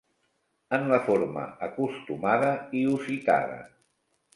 En la forma acostumada i usitada.